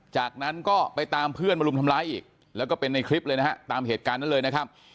จากนั้นก็ไปตามเพื่อนมารุมทำร้ายอีกแล้วก็เป็นในคลิปเลยนะฮะตามเหตุการณ์นั้นเลยนะครับ